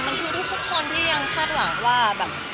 มันคือทุกคนที่ยังคาดหวังว่าแบบ